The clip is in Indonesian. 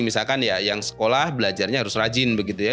misalkan ya yang sekolah belajarnya harus rajin begitu ya